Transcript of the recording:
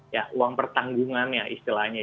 ya uang pertanggungannya istilahnya